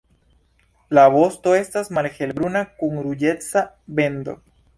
La vosto estas malhelbruna, kun ruĝeca bendo.